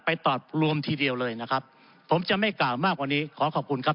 ตอบรวมทีเดียวเลยนะครับผมจะไม่กล่าวมากกว่านี้ขอขอบคุณครับ